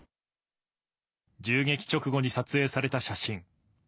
銃撃直後に撮影された写真。